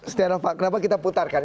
setiap waktu kita putarkan